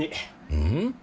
うん？